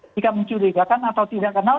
jika mencurigakan atau tidak kenal